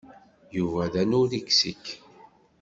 Yuba d anuriksik.